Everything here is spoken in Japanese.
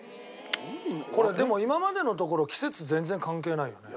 これでも今までのところ季節全然関係ないよね。